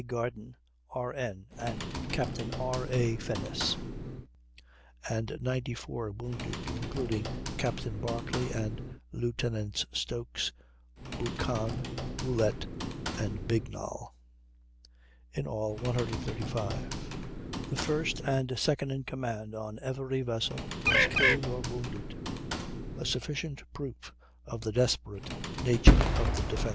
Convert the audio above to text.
Garden, R.N., and Captain R. A. Finnis), and 94 wounded (including Captain Barclay and Lieutenants Stokes, Buchan, Rolette, and Bignall): in all 135. The first and second in command on every vessel were killed or wounded, a sufficient proof of the desperate nature of the defence.